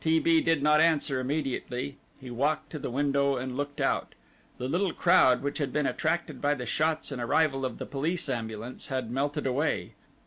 T. B. did not answer immediately. He walked to the window and looked out. The little crowd which had been attracted by the shots and arrival of the police ambulance had melted away.